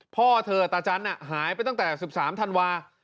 พ่อเธอตาจันทร์หายไปตั้งแต่๑๓ธันวา